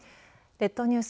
列島ニュース